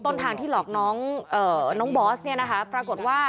ต้นทางที่หลอกน้องบอสพรากฏว่า